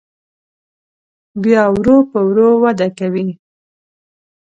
بیا ورو په ورو وده کوي.